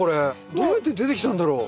どうやって出てきたんだろう？